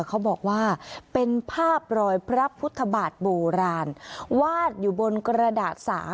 เขาบอกว่าเป็นภาพรอยพระพุทธบาทโบราณวาดอยู่บนกระดาษสา